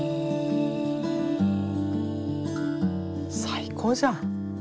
最高じゃん。